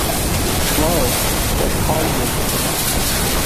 سڵاو خۆشحاڵ بووم